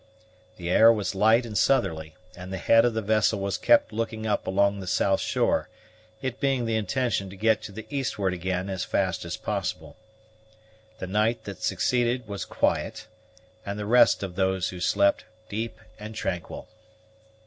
The air was light and southerly, and the head of the vessel was kept looking up along the south shore, it being the intention to get to the eastward again as fast as possible. The night that succeeded was quiet; and the rest of those who slept deep and tranquil.